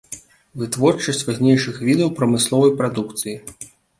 Вытворчасць важнейшых відаў прамысловай прадукцыі.